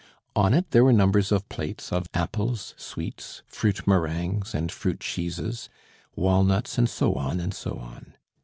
On it there were numbers of plates of apples, sweets, fruit meringues and fruit cheeses, walnuts and so on, and so on.